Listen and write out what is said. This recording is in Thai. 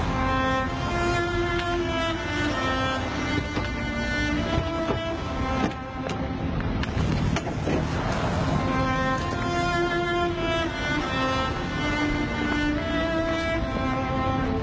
มีความรู้สึกว่ามีความสุขกับการได้ดูครับ